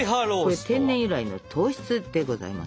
これ天然由来の糖質でございます。